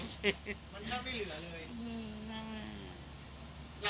หลังจากรับข่าวตอนนี้ก็กลัวอยู่เลยล่ะวะ